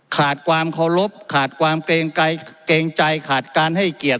ขาดความเคารพขาดความเกรงใจขาดการให้เกียรติ